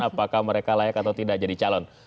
apakah mereka layak atau tidak jadi calon